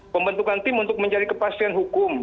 pembentukan tim untuk mencari kepastian hukum